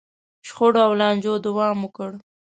شخړو او لانجو دوام وکړ.